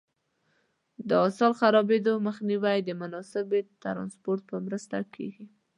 د حاصل د خرابېدو مخنیوی د مناسبې ټرانسپورټ په مرسته کېږي.